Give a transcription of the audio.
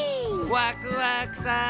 ワクワクさん！